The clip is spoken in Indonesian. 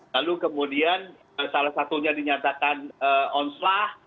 lalu kemudian salah satunya dinyatakan onslah